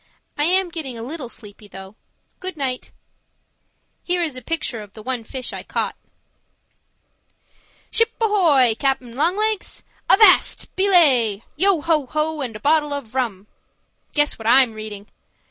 I am getting a little sleepy, though. Good night. Here is a picture of the one fish I caught. Ship Ahoy, Cap'n Long Legs! Avast! Belay! Yo, ho, ho, and a bottle of rum. Guess what I'm reading?